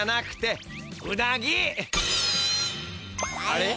あれ？